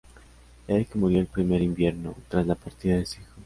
Erik murió el primer invierno, tras la partida de su hijo.